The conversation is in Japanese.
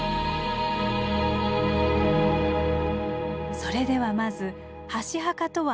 それではまず箸墓とは何か。